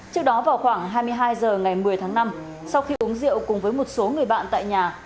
trước đó vào khoảng hai mươi hai h ngày một mươi tháng năm sau khi uống rượu cùng với một số người bạn tại nhà